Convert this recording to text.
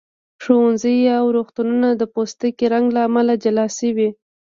ښوونځي او روغتونونه د پوستکي رنګ له امله جلا شوي.